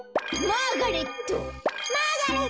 マーガレット。